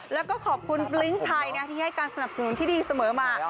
แล้วก็ขอบคุณปลิ้งไทยที่ให้การสนับสนุนที่ดีเสมอมา